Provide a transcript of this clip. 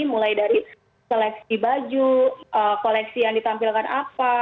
mulai dari seleksi baju koleksi yang ditampilkan apa